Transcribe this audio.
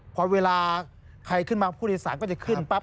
พอเวลาใครขึ้นมาผู้โดยสารก็จะขึ้นปั๊บ